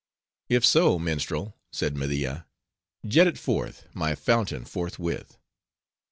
"If so, minstrel," said Media, "jet it forth, my fountain, forthwith."